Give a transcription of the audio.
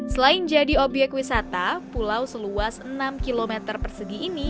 selain jadi obyek wisata pulau seluas enam km persegi ini